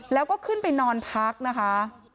แล้วก็ขึ้นไปนอนพักนะคะ